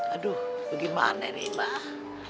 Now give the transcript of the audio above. aduh gimana nih mbah